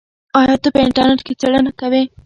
آیا ته په انټرنیټ کې څېړنه کوې؟